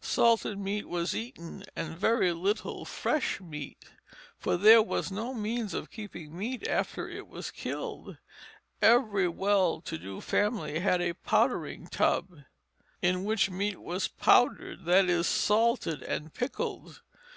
Salted meat was eaten, and very little fresh meat; for there were no means of keeping meat after it was killed. Every well to do family had a "powdering tub," in which meat was "powdered," that is, salted and pickled.